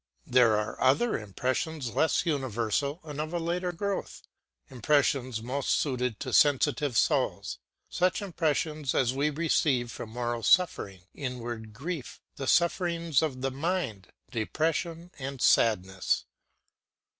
There are other impressions less universal and of a later growth, impressions most suited to sensitive souls, such impressions as we receive from moral suffering, inward grief, the sufferings of the mind, depression, and sadness.